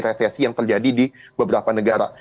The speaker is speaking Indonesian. resesi yang terjadi di beberapa negara